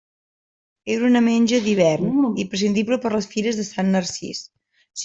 Era una menja d'hivern, imprescindible per les Fires de Sant Narcís.